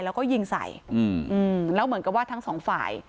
แล้วก็ยิงใส่อืมแล้วเหมือนกับว่าทั้งสองฝ่าย